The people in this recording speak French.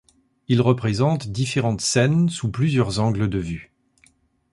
Il représente différentes scènes sous plusieurs angles de vue.